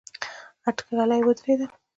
اټکلي ودرېدل.